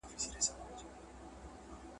غوټه چي په لاس خلاصېږي، غاښ ته حاجت نسته.